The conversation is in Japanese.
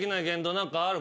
何かある？